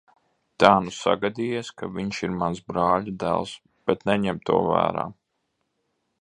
Tā nu sagadījies, ka viņš ir mans brāļadēls, bet neņem to vērā.